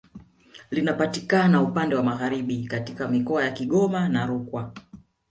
Linapatikana upande Magharibi katika mikoa ya Kigoma na Rukwa